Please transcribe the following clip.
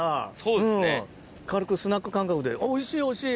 おいしいおいしい。